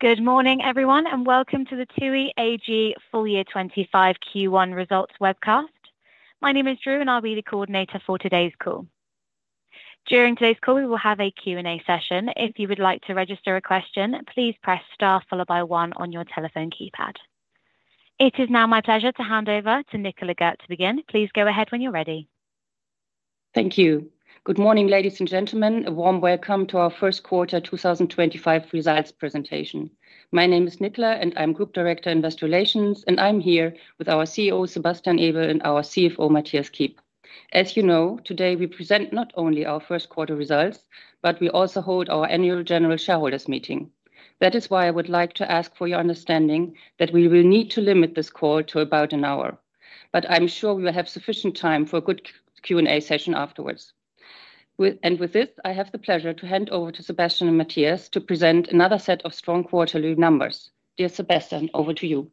Good morning, everyone, and welcome to the TUI AG Full Year 2025 Q1 Results Webcast. My name is Drew, and I'll be the coordinator for today's call. During today's call, we will have a Q&A session. If you would like to register a question, please press star followed by one on your telephone keypad. It is now my pleasure to hand over to Nicola Gehrt to begin. Please go ahead when you're ready. Thank you. Good morning, ladies and gentlemen. A warm welcome to our first quarter 2025 results presentation. My name is Nicola, and I'm Group Director in Investor Relations, and I'm here with our CEO, Sebastian Ebel, and our CFO, Mathias Kiep. As you know, today we present not only our first quarter results, but we also hold our annual general shareholders meeting. That is why I would like to ask for your understanding that we will need to limit this call to about an hour, but I'm sure we will have sufficient time for a good Q&A session afterwards. And with this, I have the pleasure to hand over to Sebastian and Mathias to present another set of strong quarterly numbers. Dear Sebastian, over to you.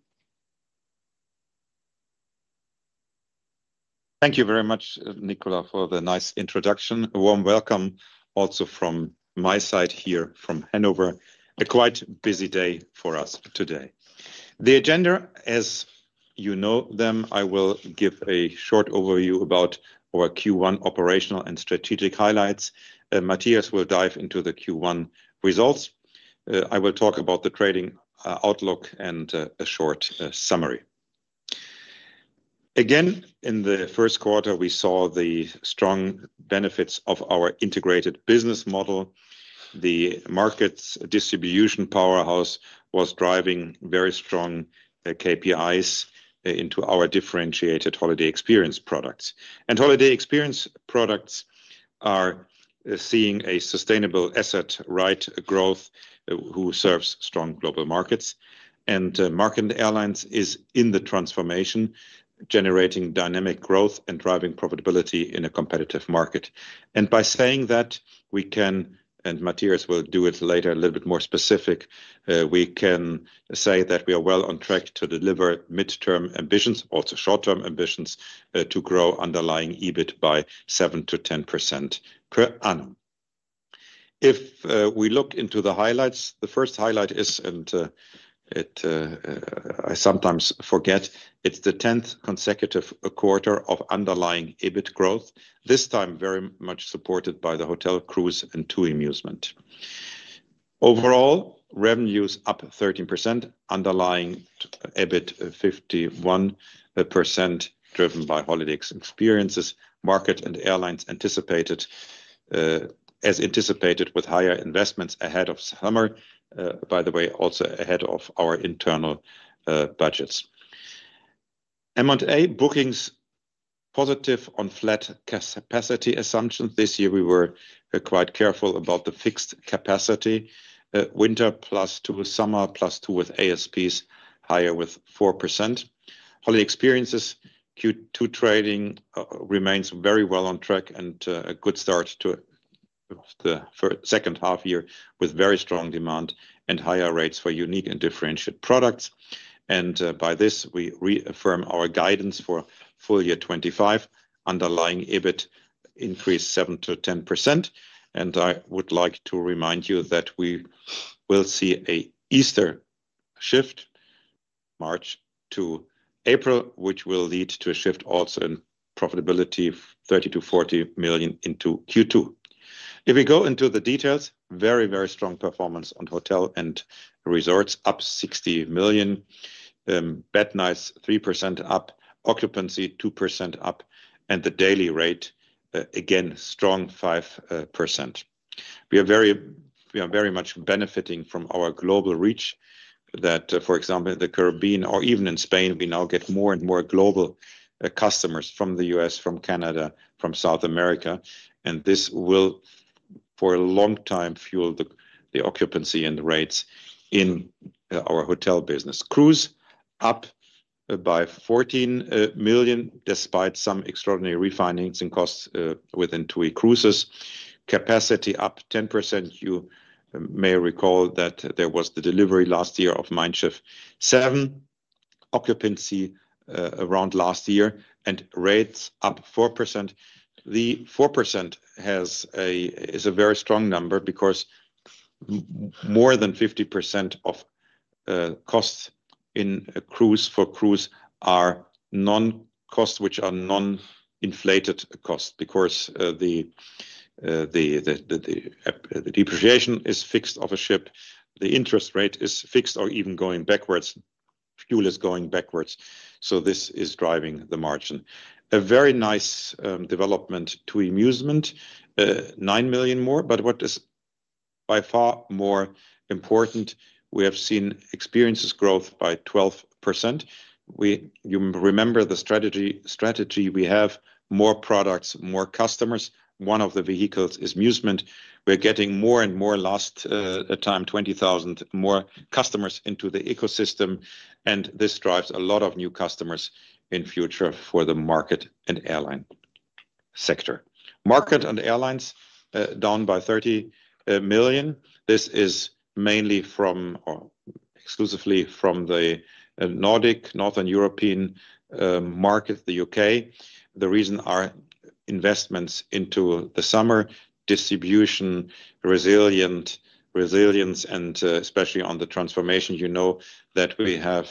Thank you very much, Nicola, for the nice introduction. A warm welcome also from my side here from Hanover. A quite busy day for us today. The agenda, as you know, I will give a short overview about our Q1 operational and strategic highlights. Mathias will dive into the Q1 results. I will talk about the trading outlook and a short summary. Again, in the first quarter, we saw the strong benefits of our integrated business model. The market's distribution powerhouse was driving very strong KPIs into our differentiated holiday experience products, and holiday experience products are seeing a sustainable asset-light growth that serves strong global markets, and Markets & Airlines is in the transformation, generating dynamic growth and driving profitability in a competitive market. By saying that, we can, and Mathias will do it later, a little bit more specific, we can say that we are well on track to deliver midterm ambitions, also short-term ambitions, to grow underlying EBIT by 7%-10% per annum. If we look into the highlights, the first highlight is, and I sometimes forget, it's the 10th consecutive quarter of underlying EBIT growth, this time very much supported by the hotel, Cruises, and TUI Musement. Overall, revenues up 13%, underlying EBIT 51% driven by Holiday Experiences. Markets & Airlines as anticipated, with higher investments ahead of summer, by the way, also ahead of our internal budgets. M&A bookings positive on flat capacity assumptions. This year, we were quite careful about the fixed capacity. Winter +2% with summer +2% with ASPs higher with 4%. Holiday experiences, Q2 trading remains very well on track and a good start to the second half year with very strong demand and higher rates for unique and differentiated products. And by this, we reaffirm our guidance for full year 2025. Underlying EBIT increased 7%-10%. And I would like to remind you that we will see an Easter shift March to April, which will lead to a shift also in profitability of 30 million-40 million into Q2. If we go into the details, very, very strong performance on Hotels & Resorts, up 60 million. Bed nights 3% up, occupancy 2% up, and the daily rate again strong 5%. We are very much benefiting from our global reach that, for example, in the Caribbean or even in Spain, we now get more and more global customers from the U.S., from Canada, from South America. And this will, for a long time, fuel the occupancy and the rates in our hotel business. Cruise up by 14 million despite some extraordinary refinancing costs within TUI Cruises. Capacity up 10%. You may recall that there was the delivery last year of Mein Schiff 7. Occupancy around last year and rates up 4%. The 4% is a very strong number because more than 50% of costs in cruise for cruise are non-costs, which are non-inflated costs because the depreciation is fixed of a ship. The interest rate is fixed or even going backwards. Fuel is going backwards. So this is driving the margin. A very nice development, TUI Musement, 9 million more. But what is by far more important, we have seen experiences growth by 12%. You remember the strategy we have, more products, more customers. One of the vehicles is Musement. We're getting more and more last time, 20,000 more customers into the ecosystem. And this drives a lot of new customers in future for the Markets & Airlines sector. Markets & Airlines down by 30 million. This is mainly from or exclusively from the Nordic Northern European market, the U.K. The reason are investments into the summer, distribution, resilience, and especially on the transformation. You know that we have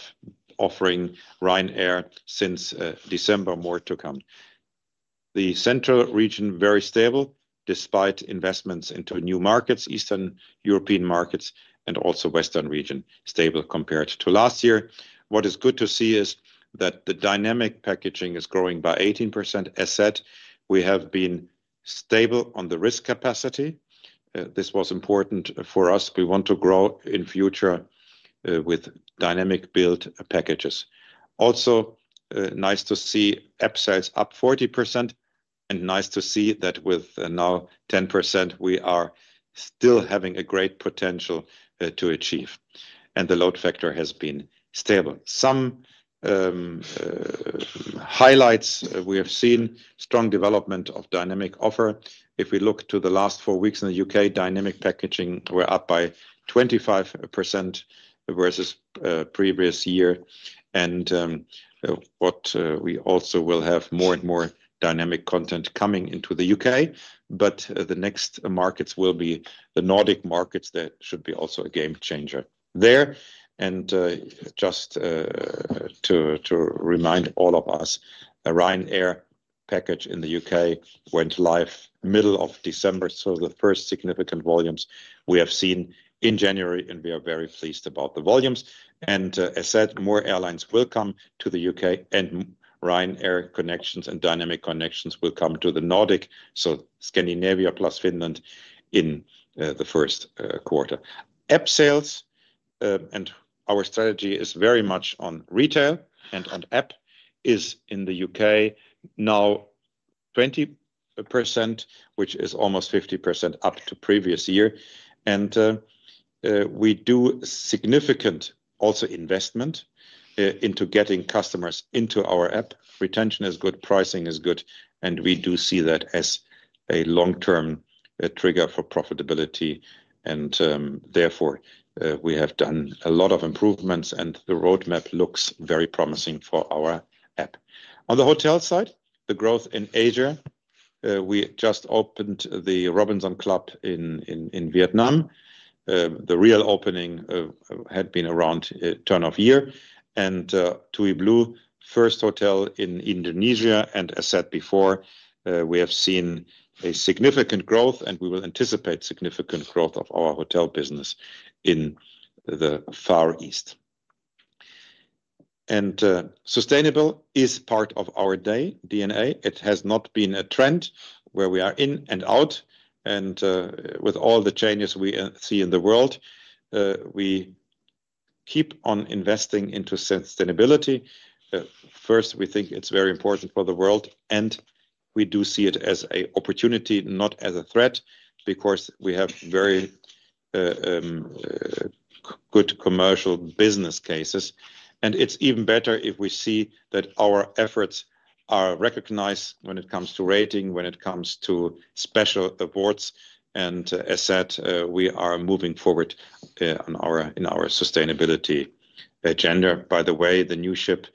offering Ryanair since December more to come. The Central Region very stable despite investments into new markets, Eastern European markets, and also Western Region stable compared to last year. What is good to see is that the dynamic packaging is growing by 18%. As said, we have been stable on the risk capacity. This was important for us. We want to grow in future with dynamic build packages. Also nice to see upsells up 40% and nice to see that with now 10%, we are still having a great potential to achieve. And the load factor has been stable. Some highlights we have seen, strong development of dynamic offer. If we look to the last four weeks in the U.K., dynamic packaging were up by 25% versus previous year. And what we also will have more and more dynamic content coming into the U.K. But the next markets will be the Nordic markets. That should be also a game changer there. And just to remind all of us, Ryanair package in the U.K. went live middle of December. So the first significant volumes we have seen in January, and we are very pleased about the volumes. And as said, more airlines will come to the U.K. and Ryanair connections and dynamic connections will come to the Nordic. So, Scandinavia plus Finland in the first quarter. Up sales, and our strategy is very much on retail and on app is in the U.K. now 20%, which is almost 50% up to previous year. And we do significant also investment into getting customers into our app. Retention is good, pricing is good, and we do see that as a long-term trigger for profitability. And therefore, we have done a lot of improvements and the roadmap looks very promising for our app. On the hotel side, the growth in Asia. We just opened the Robinson Club in Vietnam. The real opening had been around turn of year and TUI BLUE, first hotel in Indonesia. And as said before, we have seen a significant growth and we will anticipate significant growth of our hotel business in the Far East. And sustainability is part of our DNA. It has not been a trend where we are in and out. And with all the changes we see in the world, we keep on investing into sustainability. First, we think it's very important for the world and we do see it as an opportunity, not as a threat because we have very good commercial business cases. And it's even better if we see that our efforts are recognized when it comes to rating, when it comes to special awards. And as said, we are moving forward in our sustainability agenda. By the way, the new ship,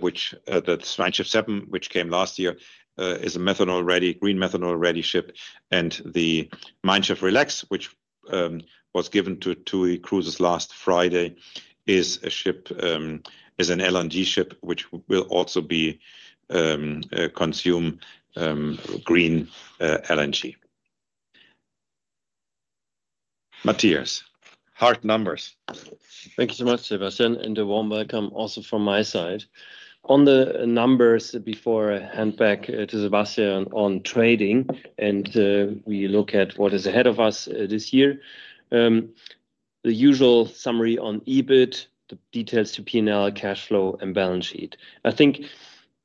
which the Mein Schiff 7, which came last year, is a methanol ready, green methanol ready ship. And the Mein Schiff Relax, which was given to TUI Cruises last Friday, is an LNG ship, which will also consume green LNG. Mathias, hard numbers. Thank you so much, Sebastian, and a warm welcome also from my side. On the numbers, before I hand back to Sebastian on trading and we look at what is ahead of us this year, the usual summary on EBIT, the details to P&L, cash flow, and balance sheet. I think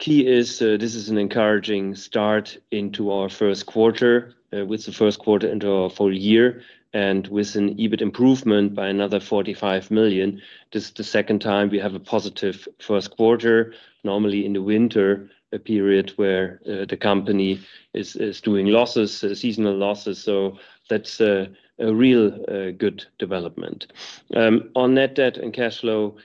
key is this is an encouraging start into our first quarter with the first quarter into our full year and with an EBIT improvement by another 45 million. This is the second time we have a positive first quarter. Normally in the winter period where the company is doing losses, seasonal losses. So that's a real good development. On net debt and cash flow,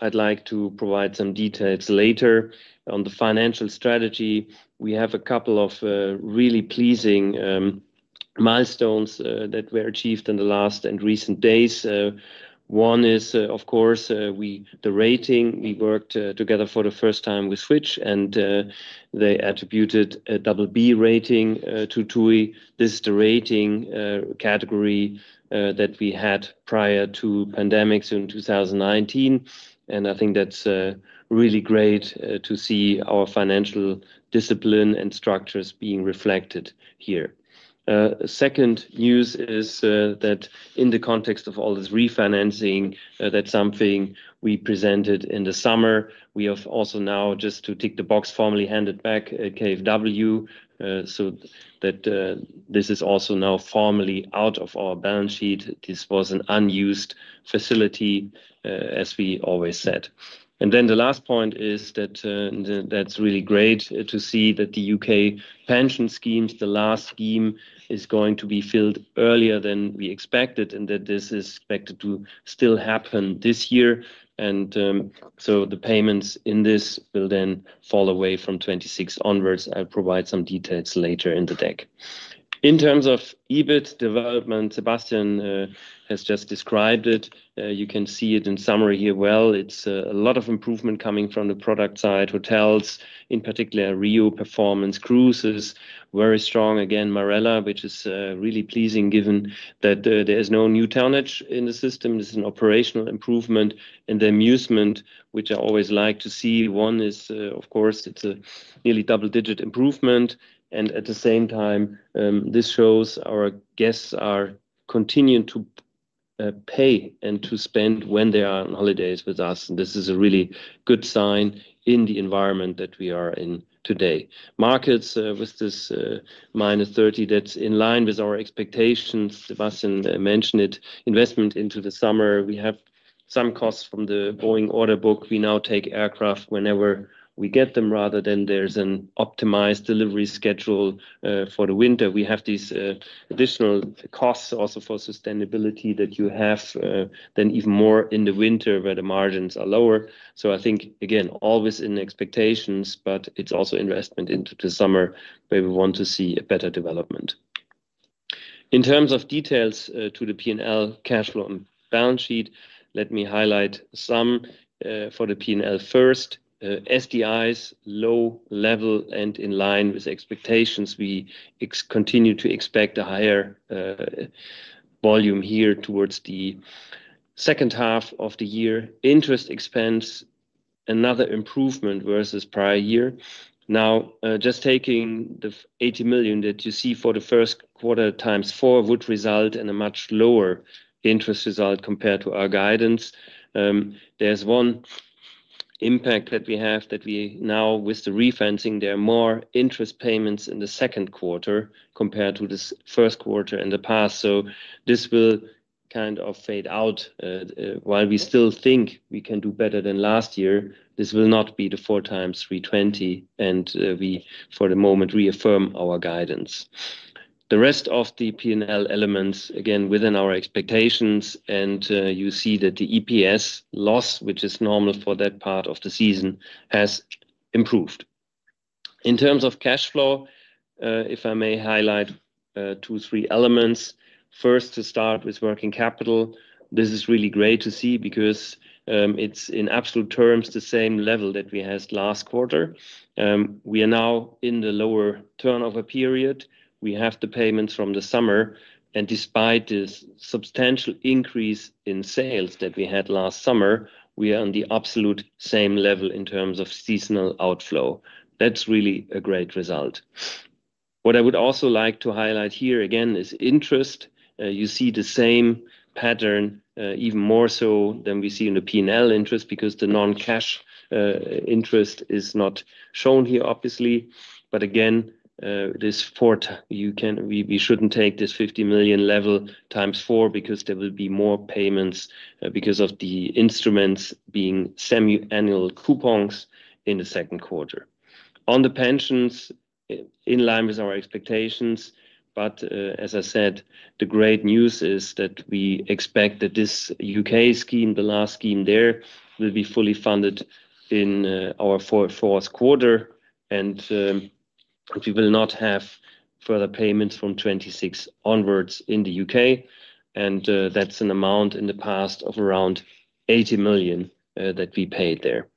I'd like to provide some details later on the financial strategy. We have a couple of really pleasing milestones that were achieved in the last and recent days. One is, of course, the rating. We worked together for the first time with Fitch and they attributed a BB rating to TUI. This is the rating category that we had prior to pandemic in 2019. And I think that's really great to see our financial discipline and structures being reflected here. Second news is that in the context of all this refinancing, that's something we presented in the summer. We have also now, just to tick the box, formally handed back KfW so that this is also now formally out of our balance sheet. This was an unused facility, as we always said. And then the last point is that that's really great to see that the U.K. pension schemes, the last scheme is going to be filled earlier than we expected and that this is expected to still happen this year. And so the payments in this will then fall away from 2026 onwards. I'll provide some details later in the deck. In terms of EBIT development, Sebastian has just described it. You can see it in summary here, well. It's a lot of improvement coming from the product side, hotels, in particular Riu performance, cruises very strong. Again, Marella, which is really pleasing given that there is no new tonnage in the system. This is an operational improvement. And the Musement, which I always like to see, one is, of course, it's a nearly double digit improvement. And at the same time, this shows our guests are continuing to pay and to spend when they are on holidays with us. And this is a really good sign in the environment that we are in today. Markets with this -30 million, that's in line with our expectations. Sebastian mentioned it, investment into the summer. We have some costs from the Boeing order book. We now take aircraft whenever we get them rather than there's an optimized delivery schedule for the winter. We have these additional costs also for sustainability that you have then even more in the winter where the margins are lower. So I think, again, always in expectations, but it's also investment into the summer where we want to see a better development. In terms of details to the P&L cash flow and balance sheet, let me highlight some for the P&L first. SDIs, low level and in line with expectations. We continue to expect a higher volume here towards the second half of the year. Interest expense, another improvement versus prior year. Now, just taking the 80 million that you see for the first quarter x4 would result in a much lower interest result compared to our guidance. There's one impact that we have that we now with the refinancing, there are more interest payments in the second quarter compared to this first quarter in the past. So this will kind of fade out while we still think we can do better than last year. This will not be the 4 times 320, and we for the moment reaffirm our guidance. The rest of the P&L elements, again, within our expectations, and you see that the EPS loss, which is normal for that part of the season, has improved. In terms of cash flow, if I may highlight two, three elements. First to start with working capital. This is really great to see because it's in absolute terms the same level that we had last quarter. We are now in the lower turnover period. We have the payments from the summer. And despite this substantial increase in sales that we had last summer, we are on the absolute same level in terms of seasonal outflow. That's really a great result. What I would also like to highlight here again is interest. You see the same pattern even more so than we see in the P&L interest because the non-cash interest is not shown here, obviously. But again, this fourth quarter, we shouldn't take this 50 million level 4x because there will be more payments because of the instruments being semi-annual coupons in the second quarter. On the pensions, in line with our expectations. But as I said, the great news is that we expect that this U.K. scheme, the last scheme there, will be fully funded in our fourth quarter. And we will not have further payments from 2026 onwards in the U.K. And that's an amount in the past of around 80 million that we paid there.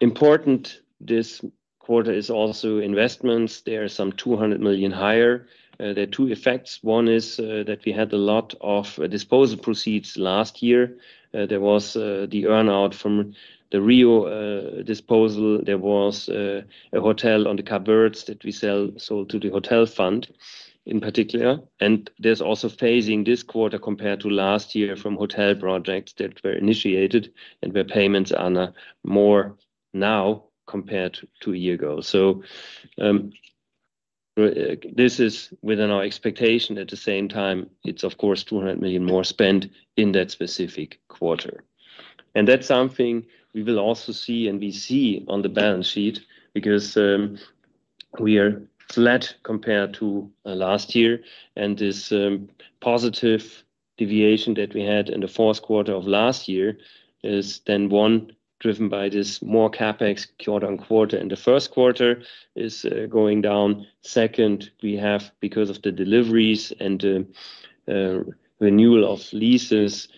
Important this quarter is also investments. There are some 200 million higher. There are two effects. One is that we had a lot of disposal proceeds last year. There was the earnout from the Riu disposal. There was a hotel in the Cape Verde that we sold to the hotel fund in particular. And there's also phasing this quarter compared to last year from hotel projects that were initiated and where payments are more now compared to a year ago. So this is within our expectation. At the same time, it's of course 200 million more spent in that specific quarter. And that's something we will also see and we see on the balance sheet because we are flat compared to last year. And this positive deviation that we had in the fourth quarter of last year is then one driven by this more CapEx quarter on quarter. And the first quarter is going down. Second, we have because of the deliveries and renewal of leases,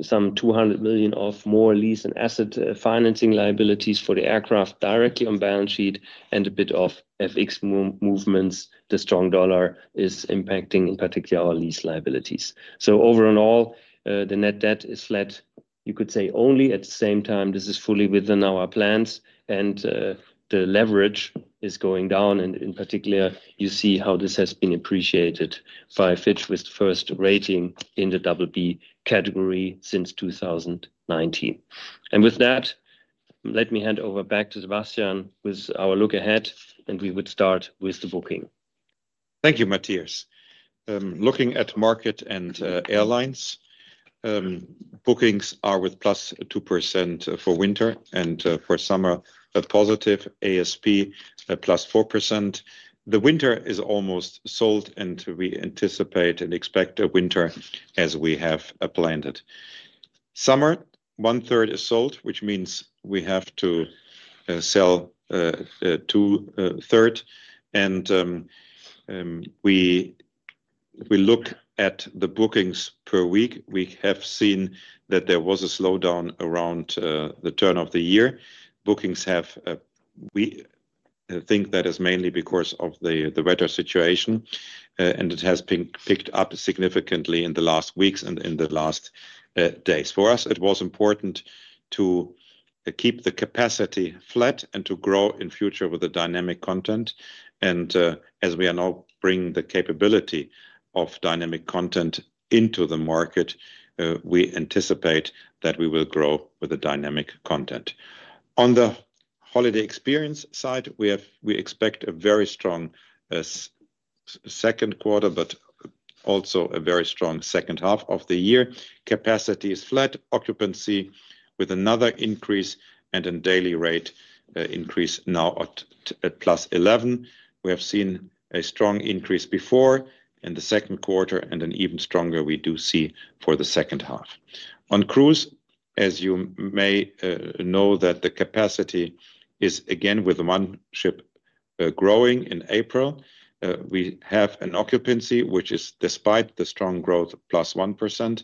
some 200 million of more lease and asset financing liabilities for the aircraft directly on balance sheet and a bit of FX movements. The strong dollar is impacting in particular our lease liabilities. So overall, the net debt is flat, you could say only at the same time. This is fully within our plans and the leverage is going down. In particular, you see how this has been appreciated by Fitch with the first rating in the BB category since 2019. With that, let me hand over back to Sebastian with our look ahead and we would start with the booking. Thank you, Mathias. Looking at Markets & Airlines, bookings are with +2% for winter and for summer, a positive ASP +4%. The winter is almost sold and we anticipate and expect a winter as we have planned. Summer, one third is sold, which means we have to sell two-thirds. And we look at the bookings per week. We have seen that there was a slowdown around the turn of the year. Bookings have, we think that is mainly because of the weather situation, and it has picked up significantly in the last weeks and in the last days. For us, it was important to keep the capacity flat and to grow in future with the dynamic content. And as we are now bringing the capability of dynamic content into the market, we anticipate that we will grow with the dynamic content. On the holiday experience side, we expect a very strong second quarter, but also a very strong second half of the year. Capacity is flat, occupancy with another increase and a daily rate increase now at +11%. We have seen a strong increase before in the second quarter and an even stronger we do see for the second half. On cruise, as you may know, that the capacity is again with one ship growing in April. We have an occupancy, which is despite the strong growth +1%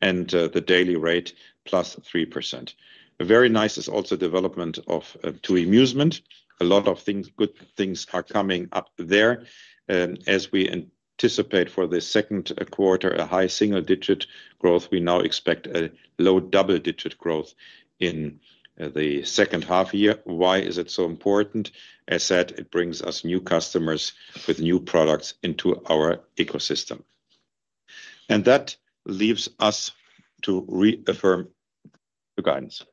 and the daily rate +3%. Very nice is also development of TUI Musement. A lot of good things are coming up there. As we anticipate for the second quarter, a high single-digit growth. We now expect a low double-digit growth in the second half year. Why is it so important? As said, it brings us new customers with new products into our ecosystem. And that leaves us to reaffirm the guidance.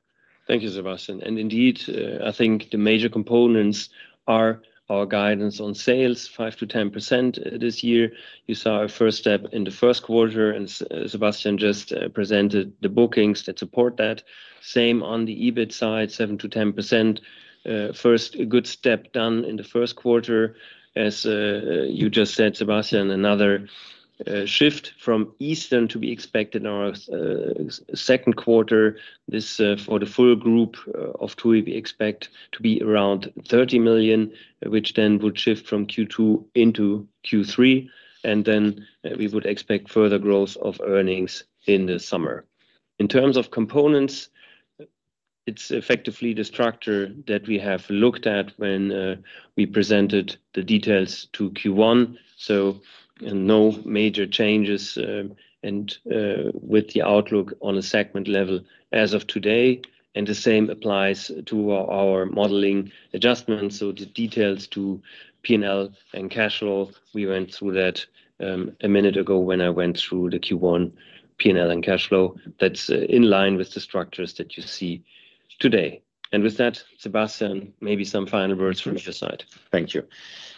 Thank you, Sebastian, and indeed, I think the major components are our guidance on sales, 5%-10% this year. You saw a first step in the first quarter and Sebastian just presented the bookings that support that. Same on the EBIT side, 7%-10%. First good step done in the first quarter. As you just said, Sebastian, another shift from Eastern to be expected in our second quarter. This for the full group of TUI, we expect to be around 30 million, which then would shift from Q2 into Q3, and then we would expect further growth of earnings in the summer. In terms of components, it's effectively the structure that we have looked at when we presented the details to Q1, so no major changes with the outlook on a segment level as of today, and the same applies to our modeling adjustments. So the details to P&L and cash flow, we went through that a minute ago when I went through the Q1 P&L and cash flow. That's in line with the structures that you see today. And with that, Sebastian, maybe some final words from your side. Thank you.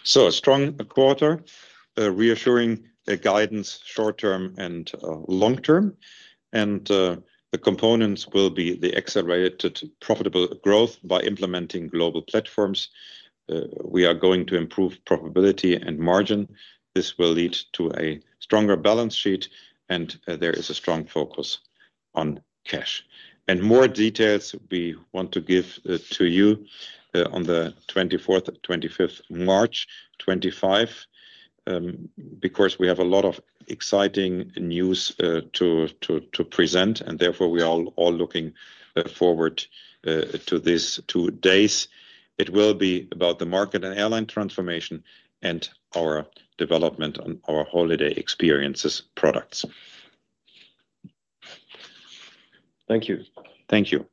So a strong quarter, reassuring guidance short-term and long term. And the components will be the accelerated profitable growth by implementing global platforms. We are going to improve profitability and margin. This will lead to a stronger balance sheet and there is a strong focus on cash. And more details we want to give to you on the 24th and 25th March 2025, because we have a lot of exciting news to present and therefore we are all looking forward to these two days. It will be about the Markets & Airlines transformation and our development on our holiday experiences products. Thank you. Thank you.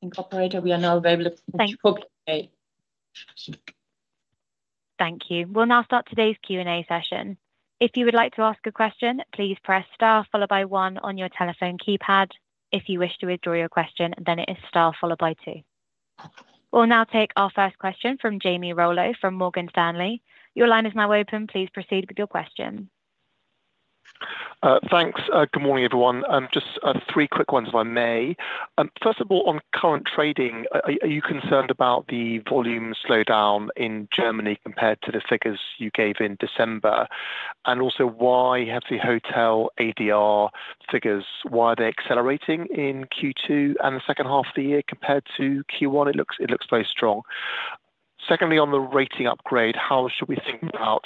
Thank you, operator. We are now available today Thank you. We'll now start today's Q&A session. If you would like to ask a question, please press star followed by one on your telephone keypad. If you wish to withdraw your question, then it is star followed by two. We'll now take our first question from Jamie Rollo from Morgan Stanley. Your line is now open. Please proceed with your question. Thanks. Good morning, everyone. Just three quick ones, if I may. First of all, on current trading, are you concerned about the volume slowdown in Germany compared to the figures you gave in December? And also why have the hotel ADR figures, why are they accelerating in Q2 and the second half of the year compared to Q1? It looks very strong. Secondly, on the rating upgrade, how should we think about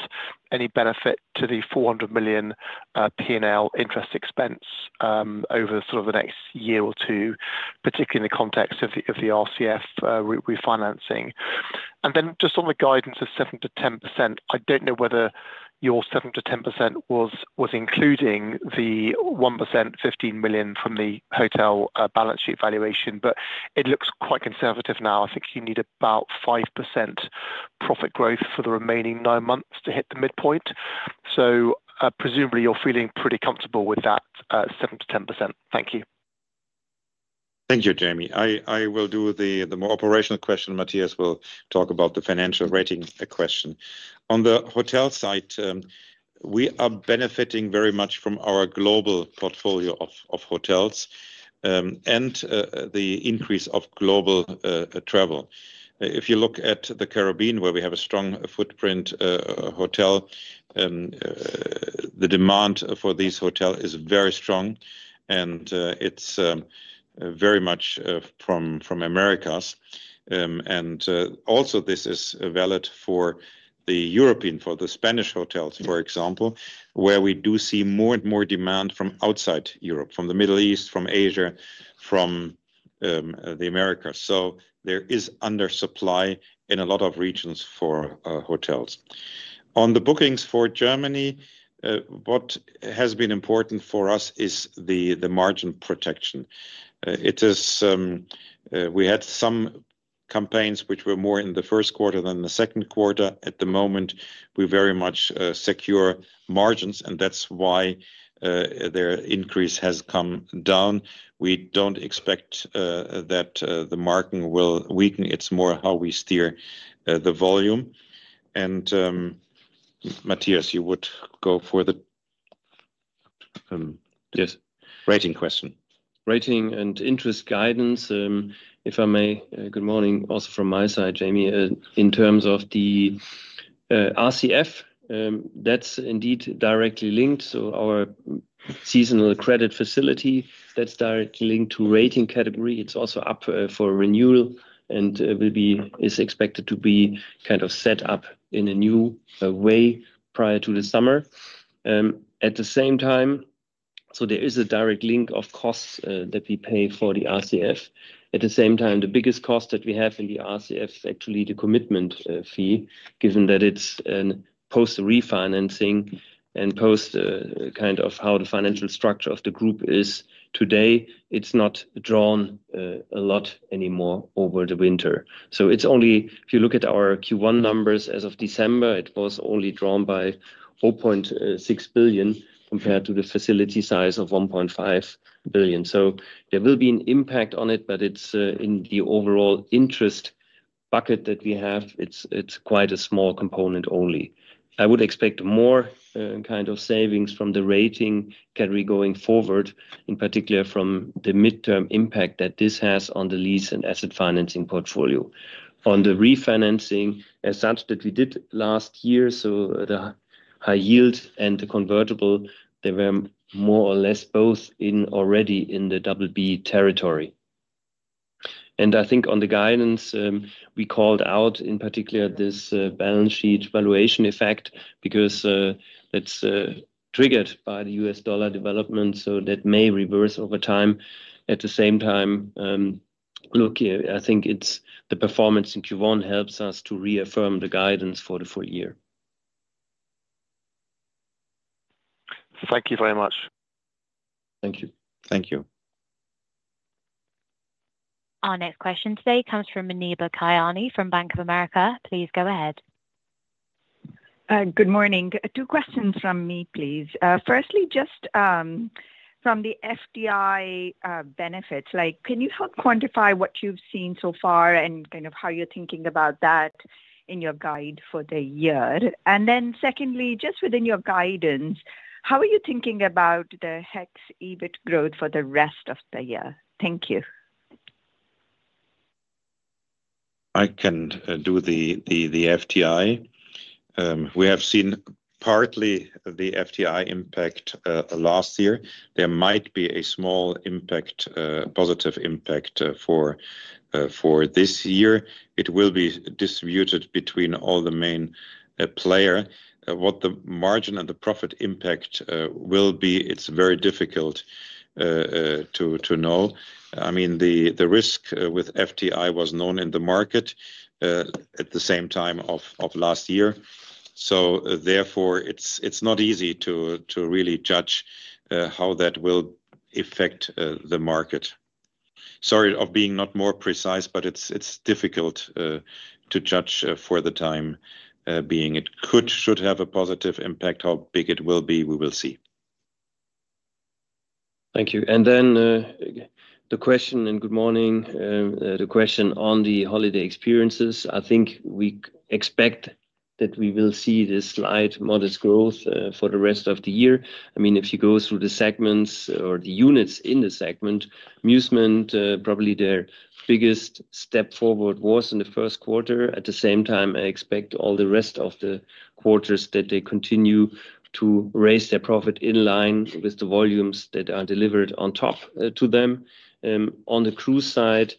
any benefit to the 400 million P&L interest expense over sort of the next year or two, particularly in the context of the RCF refinancing? And then just on the guidance of 7%-10%, I don't know whether your 7%-10% was including the 1.5 million from the hotel balance sheet valuation, but it looks quite conservative now. I think you need about 5% profit growth for the remaining nine months to hit the midpoint. So presumably you're feeling pretty comfortable with that 7%-10%. Thank you. Thank you, Jamie. I will do the more operational question. Mathias will talk about the financial rating question. On the hotel side, we are benefiting very much from our global portfolio of hotels and the increase of global travel. If you look at the Caribbean, where we have a strong footprint hotel, the demand for these hotels is very strong and it's very much from Americas. And also this is valid for the European, for the Spanish hotels, for example, where we do see more and more demand from outside Europe, from the Middle East, from Asia, from the Americas. So there is undersupply in a lot of regions for hotels. On the bookings for Germany, what has been important for us is the margin protection. We had some campaigns which were more in the first quarter than the second quarter. At the moment, we very much secure margins and that's why their increase has come down. We don't expect that the market will weaken. It's more how we steer the volume. And Mathias, you would go for the rating question. Rating and interest guidance, if I may. Good morning also from my side, Jamie. In terms of the RCF, that's indeed directly linked. So our seasonal credit facility, that's directly linked to rating category. It's also up for renewal and is expected to be kind of set up in a new way prior to the summer. At the same time, so there is a direct link of costs that we pay for the RCF. At the same time, the biggest cost that we have in the RCF is actually the commitment fee, given that it's post refinancing and post kind of how the financial structure of the group is today. It's not drawn a lot anymore over the winter. So it's only, if you look at our Q1 numbers as of December, it was only drawn by 4.6 billion compared to the facility size of 1.5 billion. So there will be an impact on it, but it's in the overall interest bucket that we have. It's quite a small component only. I would expect more kind of savings from the rating category going forward, in particular from the midterm impact that this has on the lease and asset financing portfolio. On the refinancing as such that we did last year, so the high yield and the convertible, they were more or less both already in the BB territory. And I think on the guidance, we called out in particular this balance sheet valuation effect because that's triggered by the U.S. dollar development. So that may reverse over time. At the same time, look, I think it's the performance in Q1 helps us to reaffirm the guidance for the full year. Thank you very much. Thank you. Thank you. Our next question today comes from Muneeba Kayani from Bank of America. Please go ahead. Good morning. Two questions from me, please. Firstly, just from the FTI benefits, can you help quantify what you've seen so far and kind of how you're thinking about that in your guide for the year? And then secondly, just within your guidance, how are you thinking about the Hotels EBIT growth for the rest of the year? Thank you. I can do the FTI. We have seen partly the FTI impact last year. There might be a small impact, positive impact for this year. It will be distributed between all the main players. What the margin and the profit impact will be, it's very difficult to know. I mean, the risk with FTI was known in the market at the same time of last year. So therefore, it's not easy to really judge how that will affect the market. Sorry of being not more precise, but it's difficult to judge for the time being. It could, should have a positive impact. How big it will be, we will see. Thank you. And then the question, and good morning, the question on the holiday experiences. I think we expect that we will see this slight modest growth for the rest of the year. I mean, if you go through the segments or the units in the segment, Musement, probably their biggest step forward was in the first quarter. At the same time, I expect all the rest of the quarters that they continue to raise their profit in line with the volumes that are delivered on top to them. On the cruise side,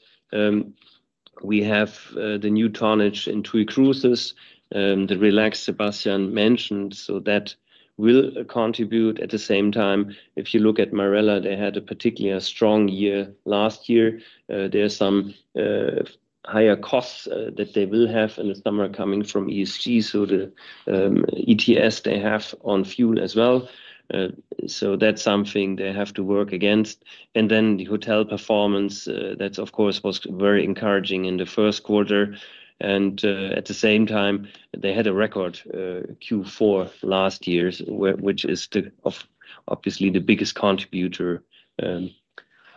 we have the new tonnage in TUI Cruises, the Relax Sebastian mentioned, so that will contribute. At the same time, if you look at Marella, they had a particularly strong year last year. There are some higher costs that they will have in the summer coming from ESG. So the ETS they have on fuel as well. So that's something they have to work against. And then the hotel performance, that's of course was very encouraging in the first quarter. And at the same time, they had a record Q4 last year, which is obviously the biggest contributor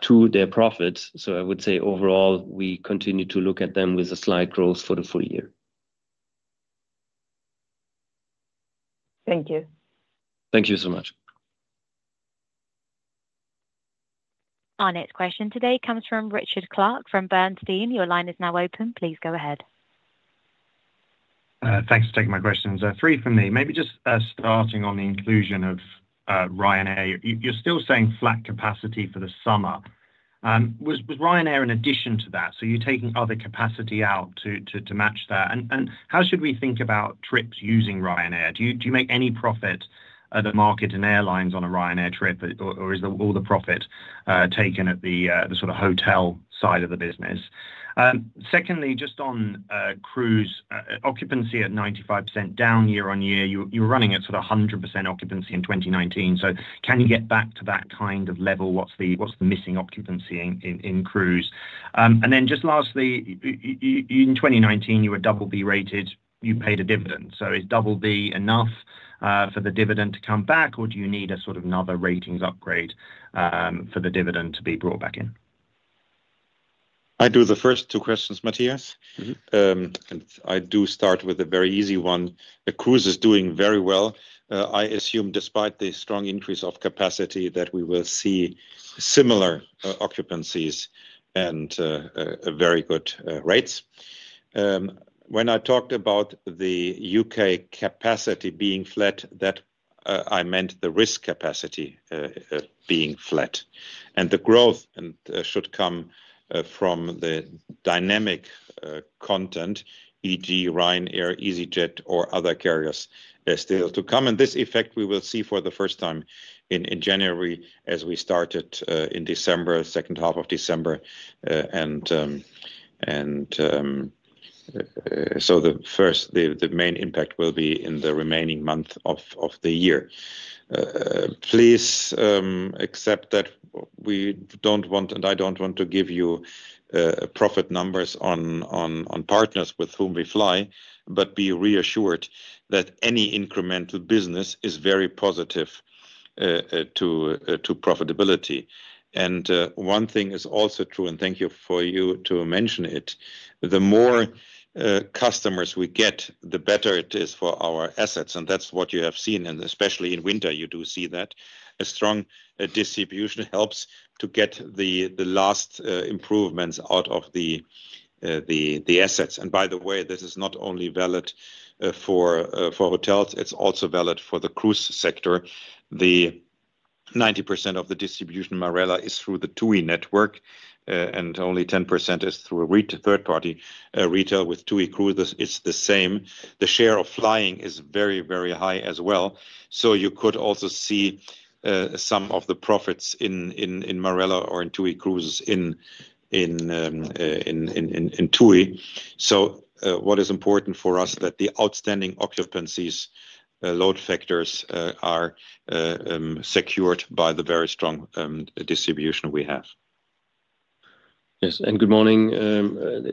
to their profits. So I would say overall, we continue to look at them with a slight growth for the full year. Thank you. Thank you so much. Our next question today comes from Richard Clarke from Bernstein. Your line is now open. Please go ahead. Thanks for taking my questions. Three from me. Maybe just starting on the inclusion of Ryanair. You're still saying flat capacity for the summer. Was Ryanair in addition to that? So you're taking other capacity out to match that. And how should we think about trips using Ryanair? Do you make any profit at the market in airlines on a Ryanair trip, or is all the profit taken at the sort of hotel side of the business? Secondly, just on cruise, occupancy at 95% down year on year. You were running at sort of 100% occupancy in 2019. So can you get back to that kind of level? What's the missing occupancy in cruise? And then just lastly, in 2019, you were BB rated. You paid a dividend. So is BB enough for the dividend to come back, or do you need a sort of another ratings upgrade for the dividend to be brought back in? I do the first two questions, Mathias, and I do start with a very easy one. The cruise is doing very well. I assume despite the strong increase of capacity that we will see similar occupancies and very good rates. When I talked about the U.K. capacity being flat, that I meant the U.K. capacity being flat, and the growth should come from the dynamic content, e.g., Ryanair, easyJet, or other carriers still to come. And this effect we will see for the first time in January as we started in December, second half of December. And so the main impact will be in the remaining month of the year. Please accept that we don't want, and I don't want to give you profit numbers on partners with whom we fly, but be reassured that any incremental business is very positive to profitability. One thing is also true, and thank you for you to mention it. The more customers we get, the better it is for our assets. That's what you have seen, especially in winter, you do see that. A strong distribution helps to get the last improvements out of the assets. By the way, this is not only valid for hotels, it's also valid for the cruise sector. The 90% of the distribution Marella is through the TUI network, and only 10% is through a third-party retail with TUI Cruises. It's the same. The share of flying is very, very high as well. You could also see some of the profits in Marella or in TUI Cruises in TUI. What is important for us is that the outstanding occupancies, load factors are secured by the very strong distribution we have. Yes. And good morning.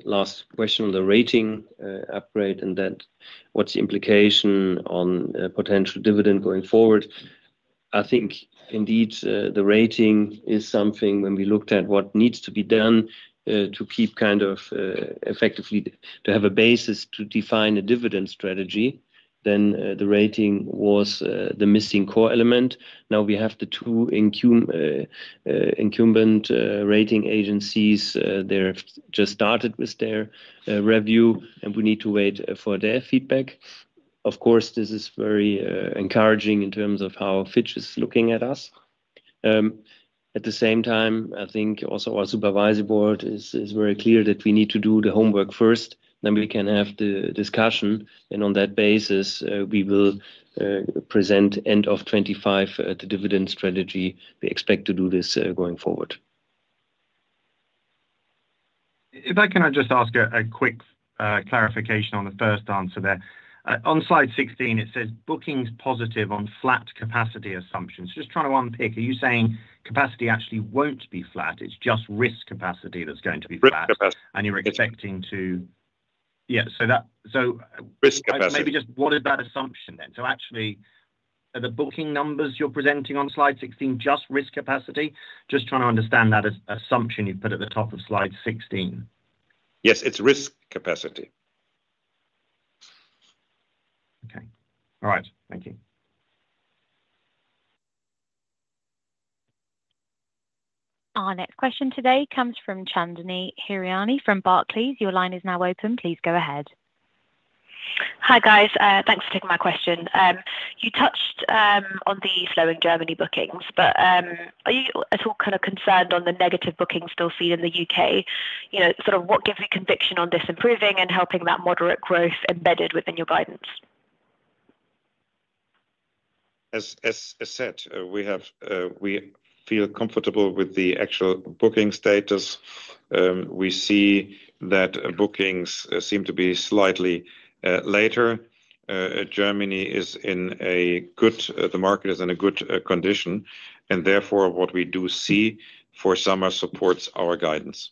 Last question on the rating upgrade and what's the implication on potential dividend going forward? I think indeed the rating is something when we looked at what needs to be done to keep kind of effectively to have a basis to define a dividend strategy, then the rating was the missing core element. Now we have the two incumbent rating agencies. They've just started with their review, and we need to wait for their feedback. Of course, this is very encouraging in terms of how Fitch is looking at us. At the same time, I think also our supervisory board is very clear that we need to do the homework first, then we can have the discussion, and on that basis, we will present end of 2025 the dividend strategy. We expect to do this going forward. If I can just ask a quick clarification on the first answer there. On slide 16, it says bookings positive on flat capacity assumptions. Just trying to unpick, are you saying capacity actually won't be flat? It's just risk capacity that's going to be flat. And you're expecting to, yeah, so that. Risk capacity. Maybe just what is that assumption then? So actually, are the booking numbers you're presenting on slide 16 just risk capacity? Just trying to understand that assumption you've put at the top of slide 16. Yes, it's risk capacity. Okay. All right. Thank you. Our next question today comes from Chandni Hirani from Barclays. Your line is now open. Please go ahead. Hi guys. Thanks for taking my question. You touched on the slowing Germany bookings, but are you at all kind of concerned on the negative bookings still seen in the U.K.? Sort of what gives you conviction on this improving and helping that moderate growth embedded within your guidance? As I said, we feel comfortable with the actual booking status. We see that bookings seem to be slightly later. Germany is in a good condition. The market is in a good condition. And therefore, what we do see for summer supports our guidance.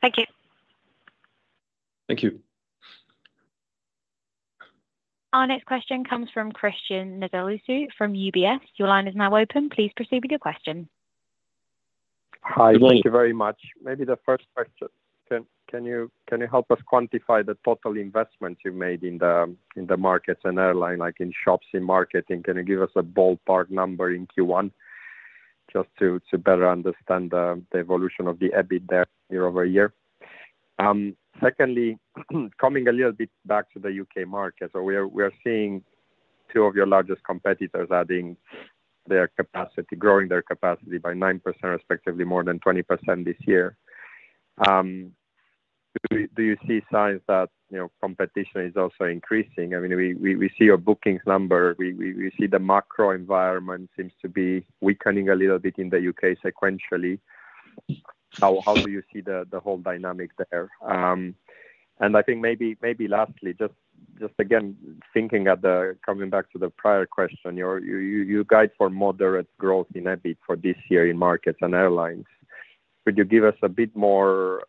Thank you. Thank you. Our next question comes from Cristian Nedelcu from UBS. Your line is now open. Please proceed with your question. Hi, thank you very much. Maybe the first question, can you help us quantify the total investment you've made in the Markets & Airlines, like in shops, in marketing? Can you give us a ballpark number in Q1 just to better understand the evolution of the EBITDA year-over-year? Secondly, coming a little bit back to the U.K. market, so we are seeing two of your largest competitors adding their capacity, growing their capacity by 9%, respectively more than 20% this year. Do you see signs that competition is also increasing? I mean, we see your bookings number. We see the macro environment seems to be weakening a little bit in the U.K. sequentially. How do you see the whole dynamic there? And I think maybe lastly, just again, thinking at the coming back to the prior question, you guide for moderate growth in EBIT for this year in Markets & Airlines. Could you give us a bit more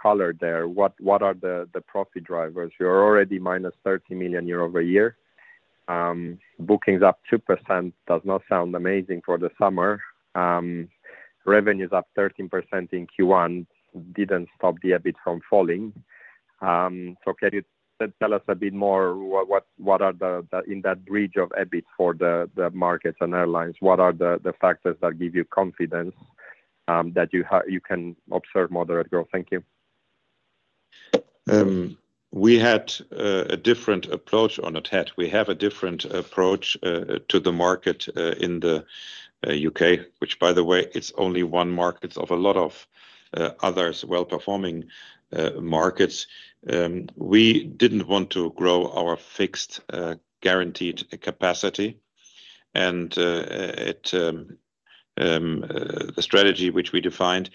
color there? What are the profit drivers? You're already -30 million year-over-year. Bookings up 2% does not sound amazing for the summer. Revenues up 13% in Q1 didn't stop the EBIT from falling. So can you tell us a bit more what are in that bridge of EBIT for the Markets & Airlines? What are the factors that give you confidence that you can observe moderate growth? Thank you. We had a different approach on a tech. We have a different approach to the market in the U.K., which by the way, it's only one market of a lot of others well-performing markets. We didn't want to grow our fixed guaranteed capacity. And the strategy which we defined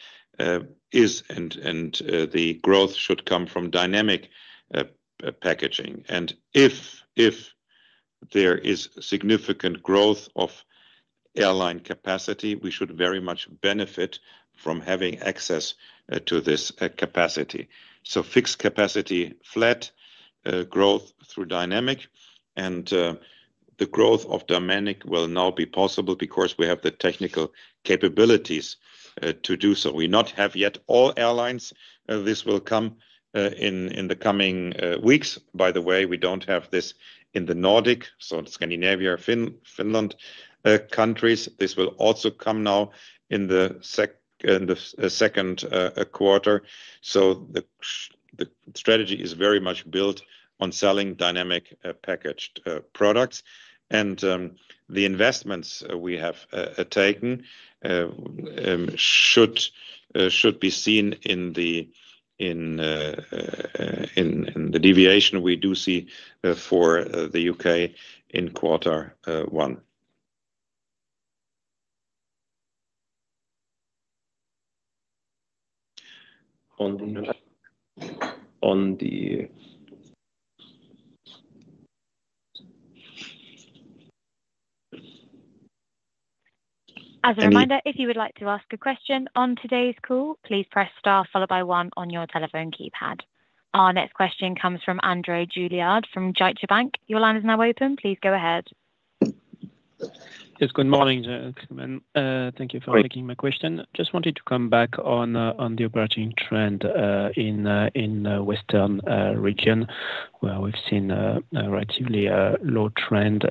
is, and the growth should come from dynamic packaging. And if there is significant growth of airline capacity, we should very much benefit from having access to this capacity. So fixed capacity flat, growth through dynamic, and the growth of dynamic will now be possible because we have the technical capabilities to do so. We not have yet all airlines. This will come in the coming weeks. By the way, we don't have this in the Nordic, so Scandinavia, Finland countries. This will also come now in the second quarter. So the strategy is very much built on selling dynamic packaged products. And the investments we have taken should be seen in the deviation we do see for the U.K. in quarter one. As a reminder, if you would like to ask a question on today's call, please press star followed by one on your telephone keypad. Our next question comes from André Juillard from Deutsche Bank. Your line is now open. Please go ahead. Yes, good morning. Thank you for taking my question. Just wanted to come back on the operating trend in the Western Region where we've seen a relatively low trend.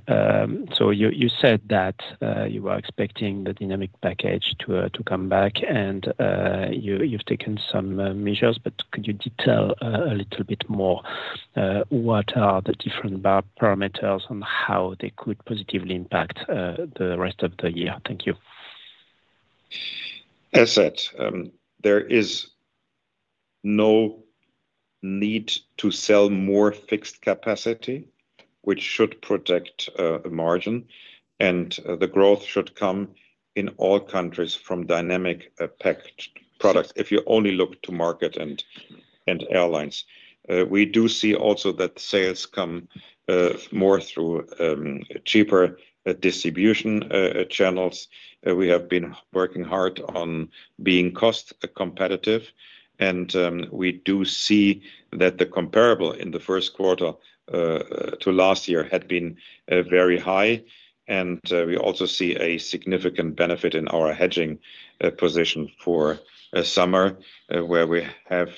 So you said that you were expecting the dynamic packaging to come back, and you've taken some measures, but could you detail a little bit more what are the different parameters on how they could positively impact the rest of the year? Thank you. As I said, there is no need to sell more fixed capacity, which should protect a margin, and the growth should come in all countries from dynamic packaging products if you only look at Markets & Airlines. We do see also that sales come more through cheaper distribution channels. We have been working hard on being cost competitive, and we do see that the comparables in the first quarter to last year had been very high, and we also see a significant benefit in our hedging position for summer where we have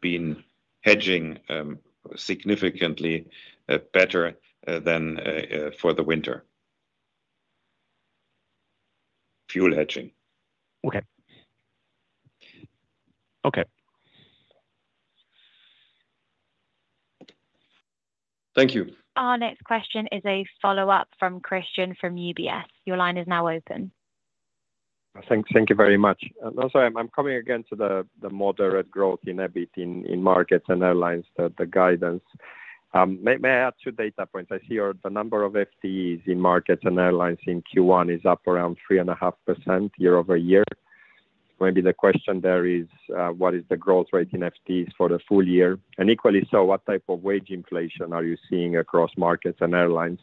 been hedging significantly better than for the winter. Fuel hedging. Okay. Okay. Thank you. Our next question is a follow-up from Cristian from UBS. Your line is now open. Thank you very much. Also, I'm coming again to the moderate growth in EBIT in Markets & Airlines, the guidance. May I add two data points? I see the number of FTEs in Markets & Airlines in Q1 is up around 3.5% year-over-year. Maybe the question there is, what is the growth rate in FTEs for the full year? And equally so, what type of wage inflation are you seeing across Markets & Airlines?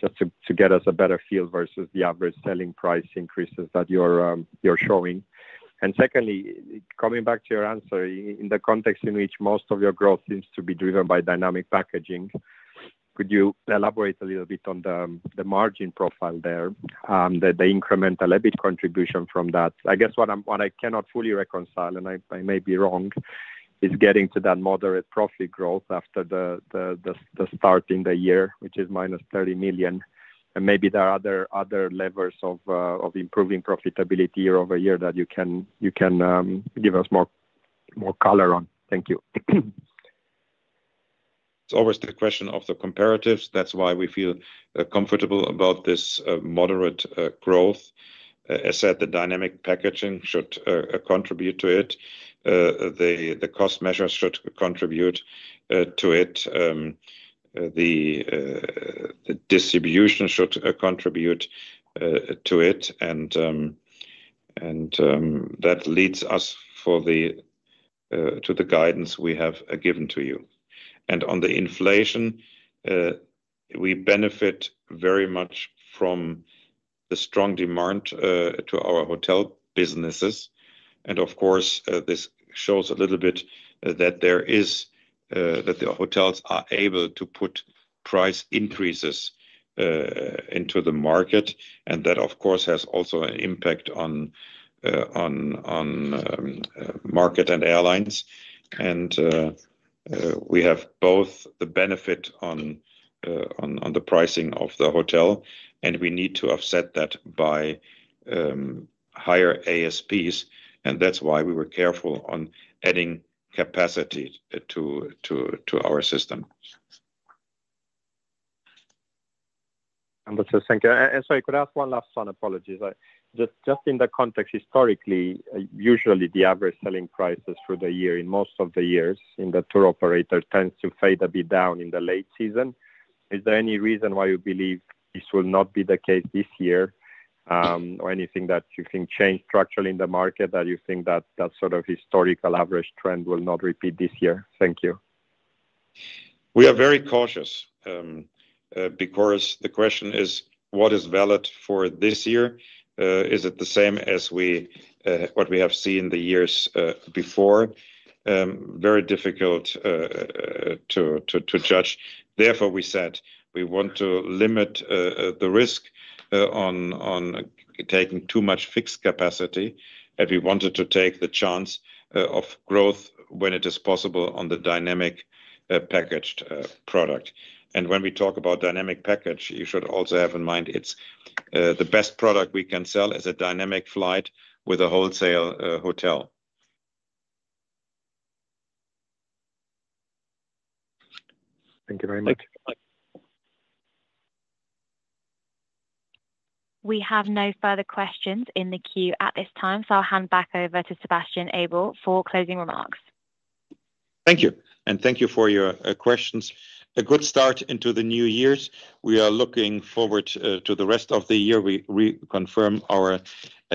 Just to get us a better feel versus the average selling price increases that you're showing. And secondly, coming back to your answer, in the context in which most of your growth seems to be driven by dynamic packaging, could you elaborate a little bit on the margin profile there, the incremental EBIT contribution from that? I guess what I cannot fully reconcile, and I may be wrong, is getting to that moderate profit growth after the start in the year, which is -30 million. And maybe there are other levers of improving profitability year-over-year that you can give us more color on. Thank you. It's always the question of the comparatives. That's why we feel comfortable about this moderate growth. As I said, the dynamic packaging should contribute to it. The cost measures should contribute to it. The distribution should contribute to it. And that leads us to the guidance we have given to you. And on the inflation, we benefit very much from the strong demand to our hotel businesses. And of course, this shows a little bit that there is, that the hotels are able to put price increases into the market. And that, of course, has also an impact on. And we have both the benefit on the pricing of the hotel. And we need to offset that by higher ASPs. And that's why we were careful on adding capacity to our system. Thank you. And sorry, could I ask one last one, apologies? Just in the context, historically, usually the average selling prices for the year in most of the years in the tour operator tends to fade a bit down in the late season. Is there any reason why you believe this will not be the case this year or anything that you think changed structurally in the market that you think that that sort of historical average trend will not repeat this year? Thank you. We are very cautious because the question is, what is valid for this year? Is it the same as what we have seen the years before? Very difficult to judge. Therefore, we said we want to limit the risk on taking too much fixed capacity. And we wanted to take the chance of growth when it is possible on the dynamic packaged product. And when we talk about dynamic package, you should also have in mind it's the best product we can sell as a dynamic flight with a wholesale hotel. Thank you very much. We have no further questions in the queue at this time. So I'll hand back over to Sebastian Ebel for closing remarks. Thank you and thank you for your questions. A good start into the new year. We are looking forward to the rest of the year. We reconfirm our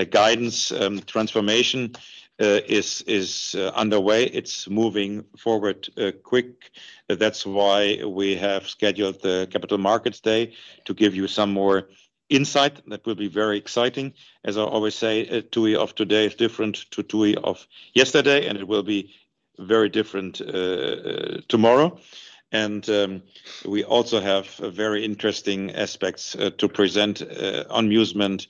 guidance transformation is underway. It's moving forward quick. That's why we have scheduled the Capital Markets Day to give you some more insight. That will be very exciting. As I always say, TUI of today is different to TUI of yesterday, and it will be very different tomorrow, and we also have very interesting aspects to present, Musement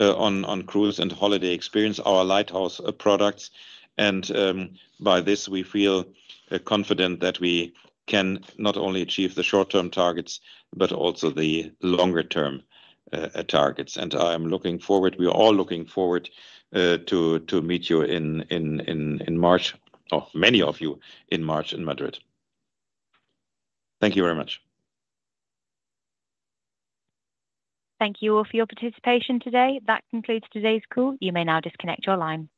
on cruise and holiday experience, our lighthouse products. And by this, we feel confident that we can not only achieve the short-term targets, but also the longer-term targets. I am looking forward. We are all looking forward to meet you in March, or many of you in March in Madrid. Thank you very much. Thank you all for your participation today. That concludes today's call. You may now disconnect your line.